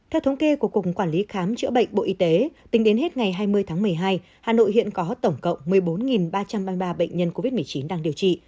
theo thống kê của cục quản lý khám chữa bệnh bộ y tế tính đến hết ngày hai mươi tháng một mươi hai hà nội hiện có tổng cộng một mươi bốn ba trăm ba mươi ba bệnh nhân covid một mươi chín đang điều trị